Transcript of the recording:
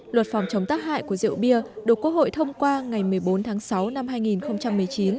luật phòng chống tác hại của rượu bia được quốc hội thông qua ngày một mươi bốn tháng sáu năm hai nghìn một mươi chín